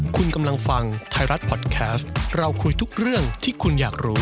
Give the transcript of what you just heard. คุณกำลังฟังไทยรัฐพอดแคสต์เราคุยทุกเรื่องที่คุณอยากรู้